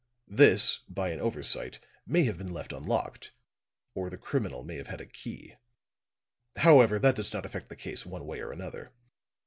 This, by an oversight, may have been left unlocked, or the criminals may have had a key. However, that does not affect the case one way or another.